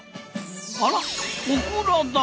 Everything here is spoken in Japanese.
あらオクラだ！